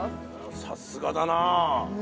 さすがだなあ。